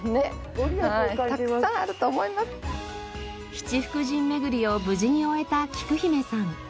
七福神巡りを無事に終えたきく姫さん。